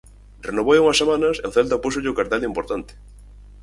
Renovou hai unhas semanas e o Celta púxolle o cartel de importante.